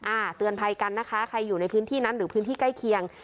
เตือนภัยกันนะคะใครอยู่ในพื้นที่นั้นหรือพื้นที่ใกล้เคียง